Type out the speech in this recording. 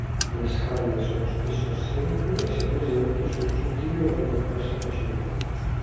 Le scaglie sono spesso assenti e se presenti sono sottili e vengono perse facilmente.